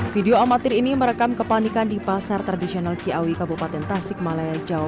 video amatir ini merekam kepanikan di pasar tradisional ciawi kabupaten tasik malaya jawa